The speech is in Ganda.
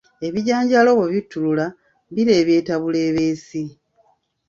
Ebijanjaalo bwe bittulula bireebeeta buleebeesi.